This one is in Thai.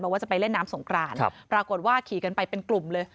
ว่าจะไปเล่นน้ำสงกรานปรากฏว่าขี่กันไปเป็นกลุ่มเลย